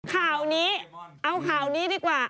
ข่าวนี้เอาข่าวนี้ดีกว่า